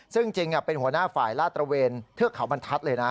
ซึ่งจริงเป็นหัวหน้าฝ่ายลาดตระเวนเทือกเขาบรรทัศน์เลยนะ